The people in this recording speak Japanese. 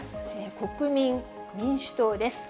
国民民主党です。